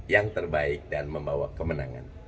yang terbaik dan membawa kemenangan